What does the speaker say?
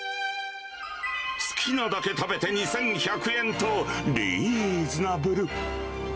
好きなだけ食べて２１００円と、リーズナブル。